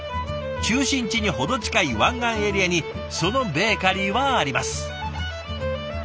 中心地に程近い湾岸エリアにそのベーカリーはあります。